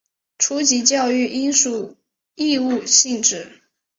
初级教育应属义务性质。